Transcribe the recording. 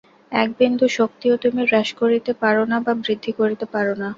এক বিন্দু শক্তিও তুমি হ্রাস করিতে পার না বা বৃদ্ধি করিতে পার না।